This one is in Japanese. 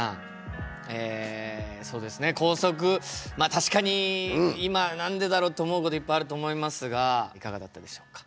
確かに今何でだろうって思うこといっぱいあると思いますがいかがだったでしょうか？